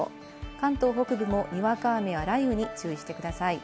関東北部もにわか雨や雷雨に注意してください。